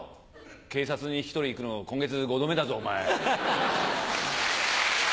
警察に引き取りに行くの今月５度目だぞお前。